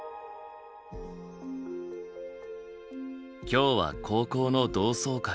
今日は高校の同窓会。